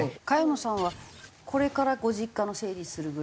萱野さんはこれからご実家の整理するぐらいの。